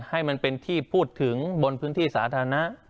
ให้มันเป็นที่พูดถึงบนพื้นที่สาธารณะ